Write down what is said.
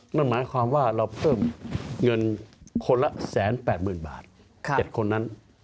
นั่นหมายความว่าเราเพิ่มเงินคนละ๑๘๐๐๐บาท๗คนนั้น